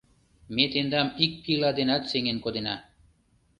Ме тендам ик пила денат сеҥен кодена!